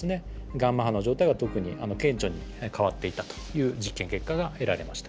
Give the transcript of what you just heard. ガンマ波の状態が特に顕著に変わっていたという実験結果が得られました。